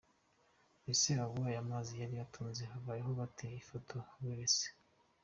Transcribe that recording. Ese abo aya mazi yari atunze babayeho bate? Ifoto: Reuters.